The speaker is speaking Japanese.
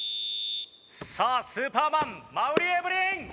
さあスーパーマン馬瓜エブリン。